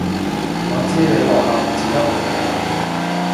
我知你學校唔似得屋企噉